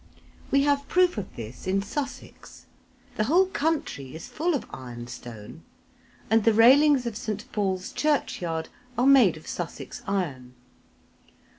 We have proof of this in Sussex. The whole country is full of iron stone, and the railings of St. Paul's churchyard are made of Sussex iron.